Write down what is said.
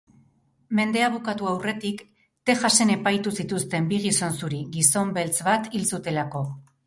Mendea bukatu aurretik Texasen epaitu zituzten bi gizon zuri, gizon beltz bat hil zutelako.